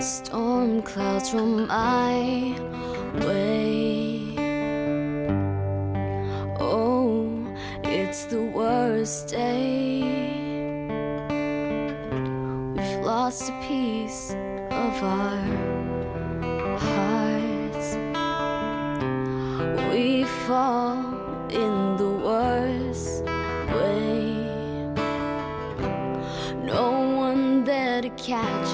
สวัสดีครับสวัสดีครับ